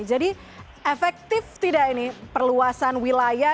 jadi efektif tidak ini perluasan wilayah